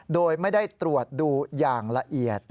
โดยไม่ได้ตรวจดูอย่างละเอียด